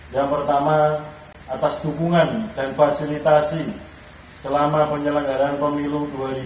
yang pertama atas dukungan dan fasilitasi selama penyelenggaraan pemilu dua ribu dua puluh